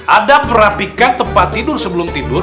ada perapikan tempat tidur sebelum tidur